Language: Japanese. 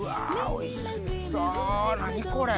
おいしそう何これ。